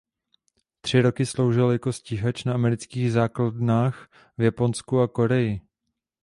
Tři roky sloužil jako stíhač na amerických základnách v Japonsku a Koreji.